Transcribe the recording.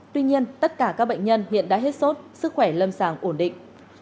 tuy nhiên tất cả các bệnh nhân hiện đã hết sốt sức khỏe lâm sàng ổn định